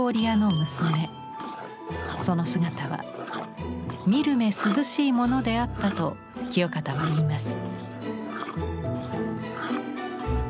その姿は見るめ涼しいものであったと清方は言います。